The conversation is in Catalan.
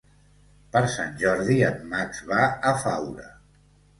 Per Sant Jordi en Max va a Faura.